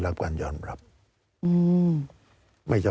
การเลือกตั้งครั้งนี้แน่